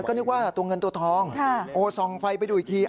ก็นึกว่าตัวเงินตัวทองส่องไฟไปดูอีกที